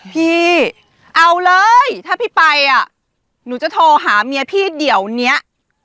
พี่เอาเลยถ้าพี่ไปอ่ะหนูจะโทรหาเมียพี่เดี๋ยวเนี้ย